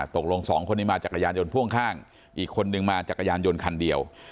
ตกลงสองคนนี้มาจักรยานยนต์พ่วงข้างอีกคนนึงมาจักรยานยนต์คันเดียว